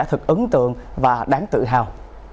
thật ấn tượng và đáng tự hào